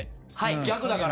逆だから。